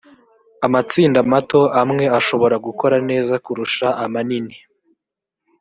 amatsinda mato amwe ashobora gukora neza kurusha amanini